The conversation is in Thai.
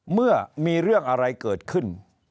เมื่อมีเรื่องอะไรเกิดขึ้น